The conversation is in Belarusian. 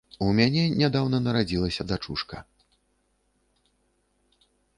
У мяне нядаўна нарадзілася дачушка.